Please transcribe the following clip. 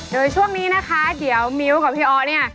โดยช่วงนี้นะคะเดี๋ยวมิ้วกับพี่อ๊อเนี่ย